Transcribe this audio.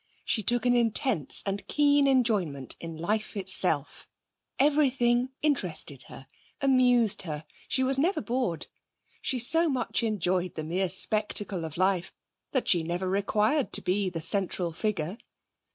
She took an intense and keen enjoyment in life itself. Everything interested her, amused her. She was never bored. She so much enjoyed the mere spectacle of life that she never required to be the central figure.